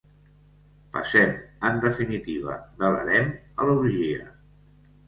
Passem, en definitiva, de l'harem a l'orgia.